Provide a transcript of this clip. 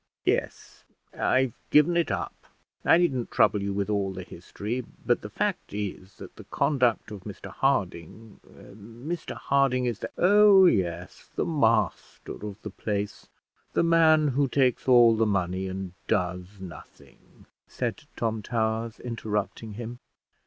"Yes, I've given it up. I needn't trouble you with all the history; but the fact is that the conduct of Mr Harding Mr Harding is the " "Oh yes, the master of the place; the man who takes all the money and does nothing," said Tom Towers, interrupting him.